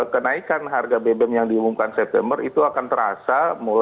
kenaikan harga bbm yang diumumkan september itu akan terasa